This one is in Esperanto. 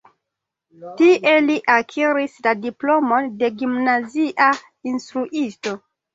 Tie li akiris la diplomon de gimnazia instruisto.